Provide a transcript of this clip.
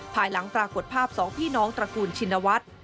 ภายหลังปรากฏภาพสองพี่น้องตระกูลชินวัฒน์